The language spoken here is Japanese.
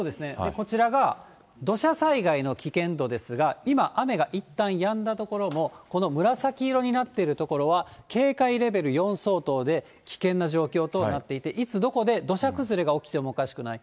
こちらが土砂災害の危険度ですが、今、雨がいったんやんだ所も、この紫色になっている所は警戒レベル４相当で、危険な状況となっていて、いつ、どこで土砂崩れが起きてもおかしくない。